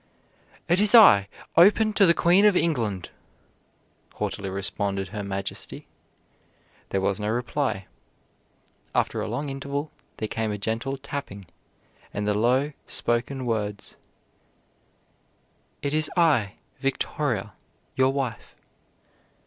"It is I. Open to the Queen of England!" haughtily responded her Majesty. There was no reply. After a long interval there came a gentle tapping and the low spoken words: "It is I, Victoria, your wife."